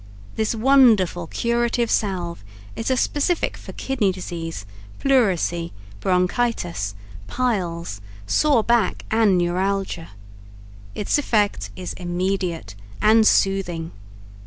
This wonderful curative Salve is a specific for Kidney Disease, Pleurisy, Bronchitis, Piles, Sore Back and Neuralgia. Its effect is immediate and soothing.